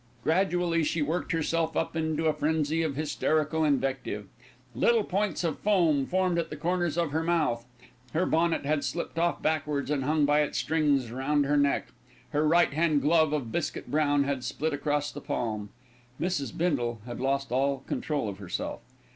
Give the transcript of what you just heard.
Gradually she worked herself up into a frenzy of hysterical invective. Little points of foam formed at the corners of her mouth. Her bonnet had slipped off backwards, and hung by its strings round her neck. Her right hand glove of biscuit brown had split across the palm. Mrs. Bindle had lost all control of herself.